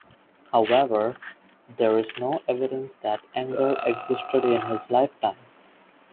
However, there is no evidence that Enger existed in his lifetime.